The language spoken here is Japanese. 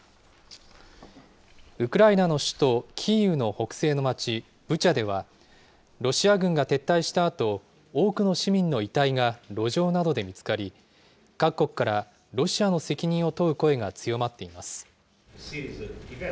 ウクライナの首都キーウの北西の町ブチャでは、ロシア軍が撤退したあと、多くの市民の遺体が路上などで見つかり、各国からロシアの責任を問う声が強まっています。